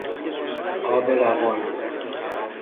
آب روان